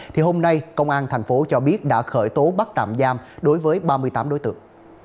thì hôm nay công an tp cho biết đã khởi tố bắt tạm giam đối với ba mươi tám đối tượng